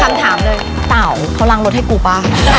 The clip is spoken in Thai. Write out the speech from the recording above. คำถามเลยเต่าเขาล้างรถให้กูป่ะ